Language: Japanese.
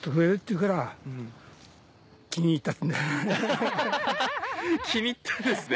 気に入ったんですね。